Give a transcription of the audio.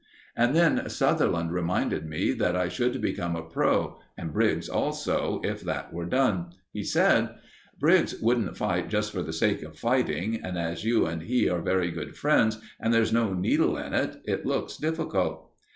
And then Sutherland reminded me that I should become a "pro," and Briggs also, if that were done. He said: "Briggs wouldn't fight just for the sake of fighting, and as you and he are very good friends, and there's no 'needle' in it, it looks difficult."